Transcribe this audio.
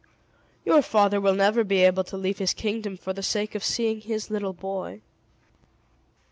Your father will never be able to leave his kingdom for the sake of seeing his little boy."